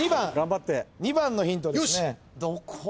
２番のヒントですね。